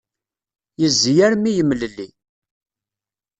Yezzi armi yemlelli.